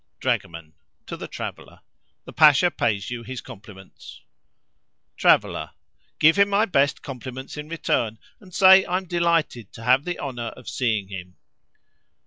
Dragoman (to the traveller).—The Pasha pays you his compliments. Traveller.—Give him my best compliments in return, and say I'm delighted to have the honour of seeing him.